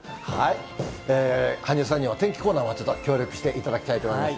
羽生さんには天気コーナーもちょっと協力していただきたいと思います。